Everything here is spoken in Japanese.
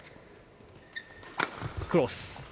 クロス。